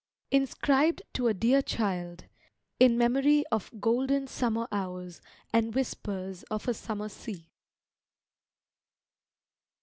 Inscribed to a dear Child: in memory of golden summer hours and whispers of a summer sea.